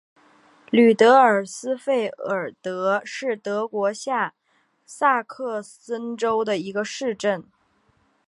吕德尔斯费尔德是德国下萨克森州的一个市镇。